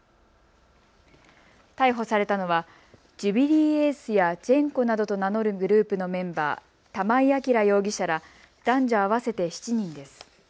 逮捕されたのはジュビリーエースやジェンコなどと名乗るグループのメンバー、玉井暁容疑者ら男女合わせて７人です。